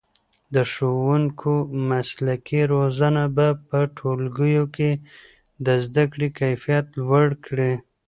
د ښوونکو مسلکي روزنه به په ټولګیو کې د زده کړې کیفیت لوړ کړي.